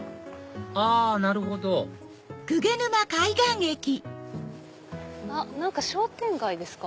あなるほど何か商店街ですか。